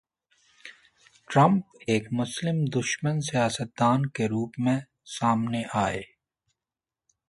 Trump ایک مسلم دشمن سیاست دان کے روپ میں سامنے آئے۔